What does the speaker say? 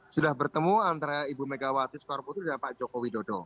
sudah bertemu antara ibu megawati sukarputu dan pak jokowi dodo